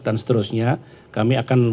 dan seterusnya kami akan